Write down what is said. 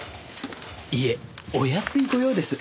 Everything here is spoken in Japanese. いえおやすいご用です。